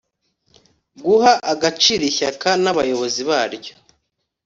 Guha agaciro Ishyaka n abayobozi baryo